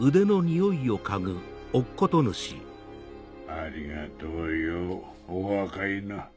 ありがとうよお若いの。